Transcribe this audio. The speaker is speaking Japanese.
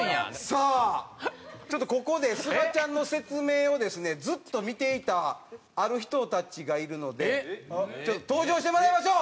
さあちょっとここですがちゃんの説明をですねずっと見ていたある人たちがいるのでちょっと登場してもらいましょう。